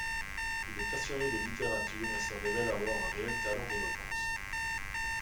Il est passionné de littérature et se révèle avoir un réel talent d'éloquence.